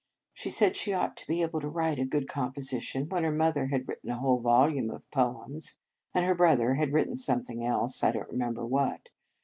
She said she ought to be able to write a good composition when her mother had written a whole volume of poems, and her brother had written some thing else, I don t remember what.